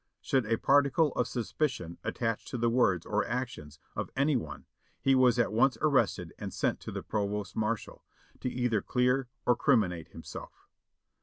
Should a particle of suspicion attach to the words or actions of any one, he was at once arrested and sent to the provost marshal, to either clear or criminate himself.